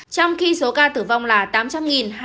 trong khi số ca tử vong là tám trăm linh hai trăm sáu mươi sáu ca